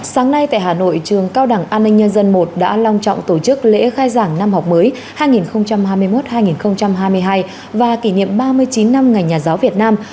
sáng nay tại hà nội trường cao đẳng an ninh nhân dân i đã long trọng tổ chức lễ khai giảng năm học mới hai nghìn hai mươi một hai nghìn hai mươi hai và kỷ niệm ba mươi chín năm ngày nhà giáo việt nam